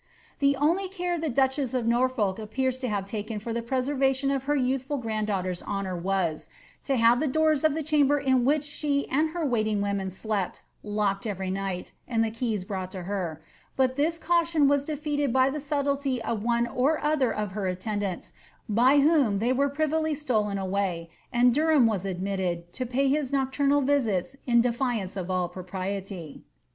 The only care the duchess of Norfolk appears to have taken for the preservation of her youthful grand daughter's honour was, to have the doors of the chamber in which she and her waiting women slept locked every night, and the keys brought to her ; but this caution was defeated by the subtlety of one or other of her attendants, by whom they were privily stoleh away, and Derham was admitted, to pay his nocturnal visits in defiance of all propriety.'